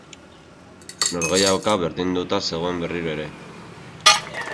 Norgehiagoka berdinduta zegoen berriro ere.